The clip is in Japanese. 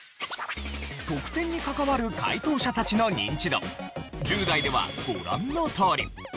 得点に関わる解答者たちのニンチド１０代ではご覧のとおり。